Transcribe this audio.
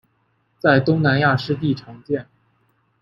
在东南亚湿地常见。